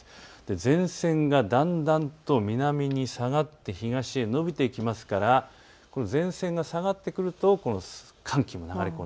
前線がだんだんと南に下がって東へ延びてきますから前線が下がってくると寒気が流れ込む。